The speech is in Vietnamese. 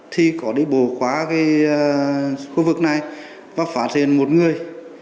thì có đi bồ khóa cái khu vực này và phát hiện một người